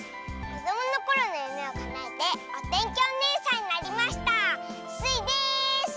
こどものころのゆめをかなえておてんきおねえさんになりましたスイです！